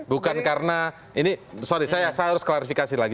bukan karena ini sorry saya harus klarifikasi lagi